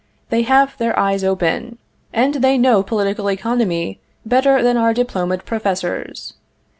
They have their eyes open, and they know political economy better than our diplomaed professors.